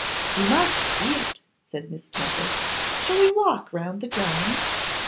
'You must see it,' said Miss Temple: 'shall we walk round the grounds?